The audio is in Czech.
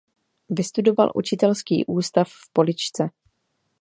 Vystudoval učitelský ústav v Poličce.